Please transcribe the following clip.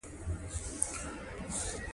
د لمر لوېدو خواته یې ایران دی چې پارسي وايي.